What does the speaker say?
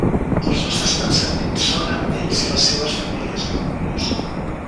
Els nostres pensaments són amb ells i les seves famílies, ha conclòs.